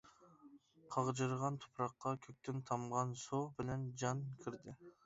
قاغجىرىغان تۇپراققا كۆكتىن تامغان سۇ بىلەن جان كىردى.